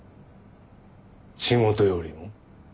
仕事よりも？